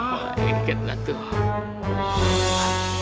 makanya kalau pegang tuh hati hati